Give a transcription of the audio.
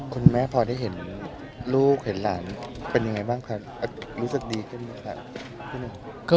คุณแม่พอได้เห็นลูกเห็นหลานเป็นยังไงบ้างครับรู้สึกดีขึ้นไหมครับ